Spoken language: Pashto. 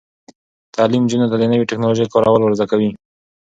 تعلیم نجونو ته د نوي ټیکنالوژۍ کارول ور زده کوي.